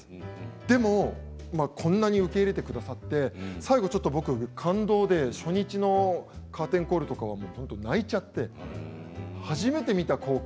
でも、こんなに受け入れてくださって最後ちょっと僕感動で、初日のカーテンコールとかは泣いちゃって初めて見た光景。